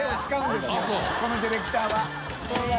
このディレクターは。